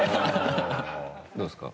どうですか？